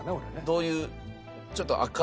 どういう。